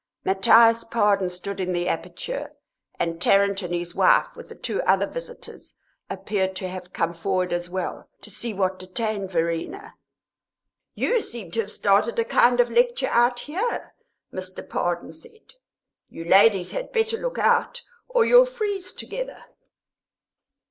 Matthias Pardon stood in the aperture, and Tarrant and his wife, with the two other visitors, appeared to have come forward as well, to see what detained Verena. "You seem to have started a kind of lecture out here," Mr. Pardon said. "You ladies had better look out, or you'll freeze together!"